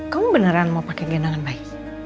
kamu beneran mau pakai gendongan bayi